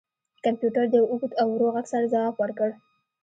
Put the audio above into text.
کمپیوټر د یو اوږد او ورو غږ سره ځواب ورکړ